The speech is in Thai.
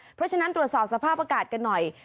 เพราะฉะนั้นตรวจสอบสภาพอากาศกันหน่อย